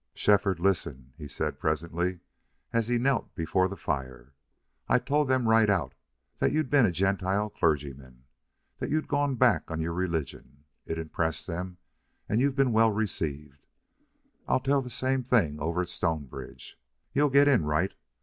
"Shefford, listen," he said, presently, as he knelt before the fire. "I told them right out that you'd been a Gentile clergyman that you'd gone back on your religion. It impressed them and you've been well received. I'll tell the same thing over at Stonebridge. You'll get in right.